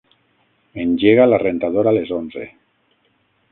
Engega la rentadora a les onze.